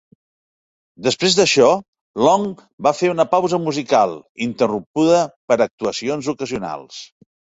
Després d'això, Long va fer una pausa musical, interrompuda per actuacions ocasionals.